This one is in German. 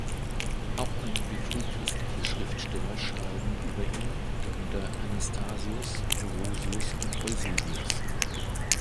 Auch einige frühchristliche Schriftsteller schreiben über ihn, darunter Anastasius, Orosius und Eusebius.